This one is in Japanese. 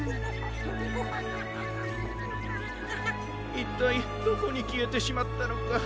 いったいどこにきえてしまったのか。